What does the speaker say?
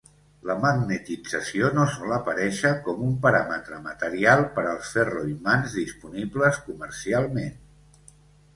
La magnetització no sol aparèixer com un paràmetre material per als ferroimants disponibles comercialment.